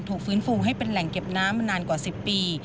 ฟื้นฟูให้เป็นแหล่งเก็บน้ำมานานกว่า๑๐ปี